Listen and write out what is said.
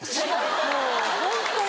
もうホントに。